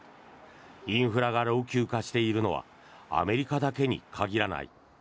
インフラが老朽化しているのはアメリカだけに限らない。